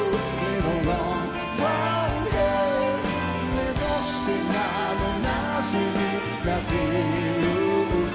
「ね、どしてなのなぜに泣けるの」